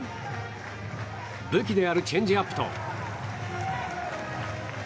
武器であるチェンジアップと。